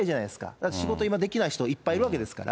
だって仕事、今できない人いっぱいいるわけですから。